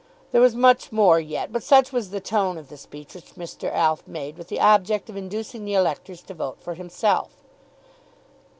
There was much more yet; but such was the tone of the speech which Mr. Alf made with the object of inducing the electors to vote for himself.